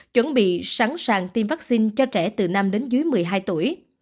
chuẩn bị sẵn sàng tiêm vaccine cho trẻ từ năm đến dưới một mươi hai tuổi